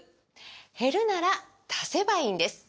減るなら足せばいいんです！